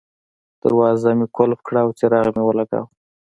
دروازه مې قلف کړه او څراغ مې ولګاوه.